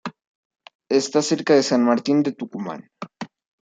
Está cerca de San Martín de Tucumán.